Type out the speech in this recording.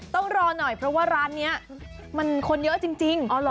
ต้องรอหน่อยเพราะว่าร้านนี้มันคนเยอะจริง